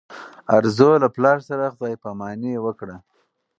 ارزو له پلار سره خدای په اماني وکړه.